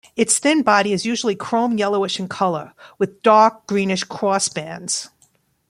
Its thin body is usually chrome yellowish in colour with dark greenish crossbands.